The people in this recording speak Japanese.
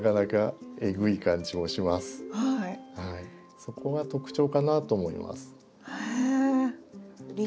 そこが特徴かなと思います。